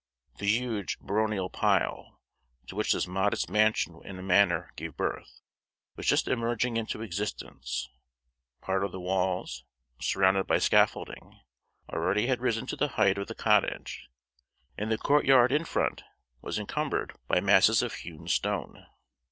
The huge baronial pile, to which this modest mansion in a manner gave birth was just emerging into existence; part of the walls, surrounded by scaffolding, already had risen to the height of the cottage, and the courtyard in front was encumbered by masses of hewn stone.